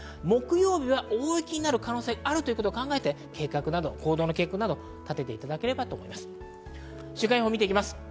木曜日は大雪になる可能性があるということを考えて行動の計画などを立てていただければと思います。